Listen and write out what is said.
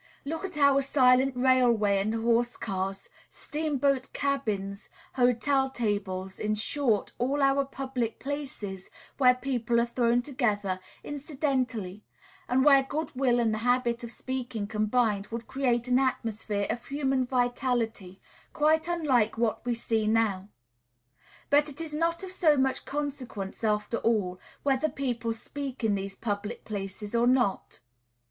Look at our silent railway and horse cars, steamboat cabins, hotel tables, in short, all our public places where people are thrown together incidentally, and where good will and the habit of speaking combined would create an atmosphere of human vitality, quite unlike what we see now. But it is not of so much consequence, after all, whether people speak in these public places or not.